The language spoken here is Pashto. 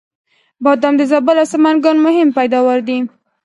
بادام د زابل او سمنګان مهم پیداوار دی